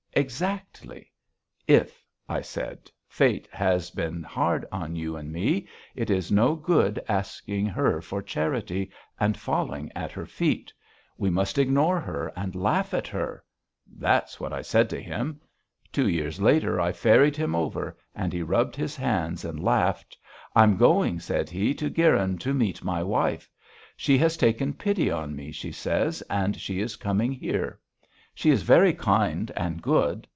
Exactly.... If,' I said, 'fate has been hard on you and me, it is no good asking her for charity and falling at her feet. We must ignore her and laugh at her.' That's what I said to him.... Two years later I ferried him over and he rubbed his hands and laughed. 'I'm going,' said he, 'to Guyrin to meet my wife. She has taken pity on me, she says, and she is coming here. She is very kind and good.'